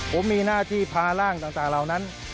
ผมมีหน้าที่พาร่างต่างเหล่านั้น